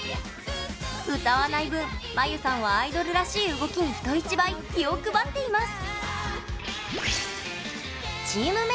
歌わない分、まゆさんはアイドルらしい動きに人一倍、気を配っています。